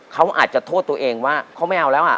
เขาอาจจะโทษตัวเองว่าเขาไม่เอาแล้วอ่ะ